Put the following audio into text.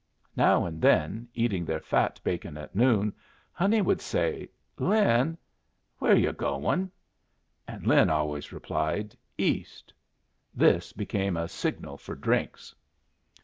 Now and then, eating their fat bacon at noon, Honey would say, "Lin, wher're yu' goin'?" And Lin always replied, "East." This became a signal for drinks.